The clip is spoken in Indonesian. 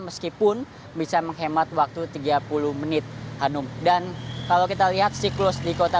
meskipun bisa menghemat waktu tiga puluh menit hanum dan kalau kita lihat siklus di kota